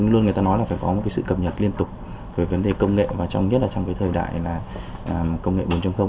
luôn người ta nói là phải có một sự cập nhật liên tục về vấn đề công nghệ và trong nhất là trong cái thời đại công nghệ bốn